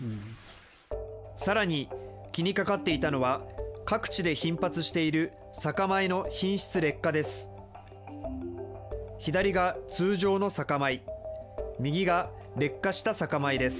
さらに気にかかっていたのは、各地で頻発している酒米の品質劣化です。